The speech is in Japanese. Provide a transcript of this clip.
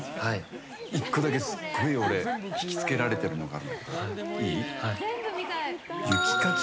１個だけすっごい俺ひきつけられてるのがある。